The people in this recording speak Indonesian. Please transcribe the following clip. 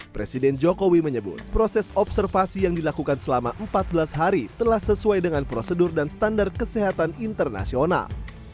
presiden jokowi menyebut proses observasi yang dilakukan selama empat belas hari telah sesuai dengan prosedur dan standar kesehatan internasional